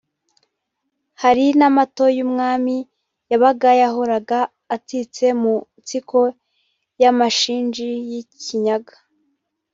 Hari n’amato y’umwami n’ay’abagaba yahoraga atsitse mu nsiko y’amashinji y’i Kinyaga